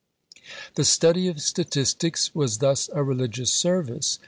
The study of statistics was thus a religious service.